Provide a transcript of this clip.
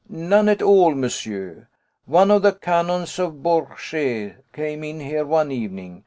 "None at all, monsieur. One of the Canons of Bourges came in here one evening.